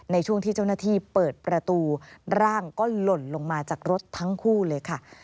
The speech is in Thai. ในช่วงที่เจ้าหน้าที่เปิดประตูร่างก็หล่นลงมาจากรถทั้งคู่เลยค่ะ